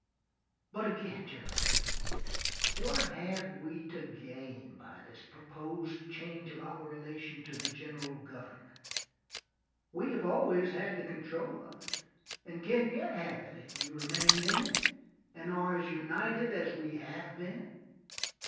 But again gentlemen, what have we to gain by this proposed change of our relation to the general government? We have always had the control of it and can yet have if we remain in it and are as united as we have been.